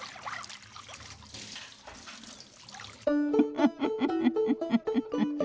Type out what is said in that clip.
ウフフフフフフフ。